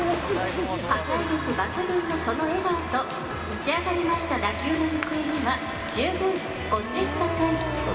破壊力抜群のその笑顔と、打ち上がりました打球の行方には十分ご注意ください。